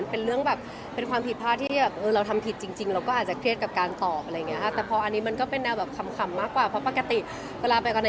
เพราะปกติเวลาอะไรที่เราไม่ได้ทำมันก็จะขำหน่อยอะค่ะ